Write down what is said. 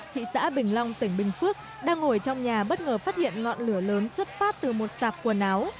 thị xã bình long tỉnh bình phước đang ngồi trong nhà bất ngờ phát hiện ngọn lửa lớn xuất phát từ một sạp quần áo